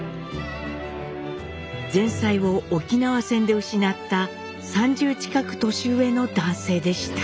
前妻を沖縄戦で失った３０近く年上の男性でした。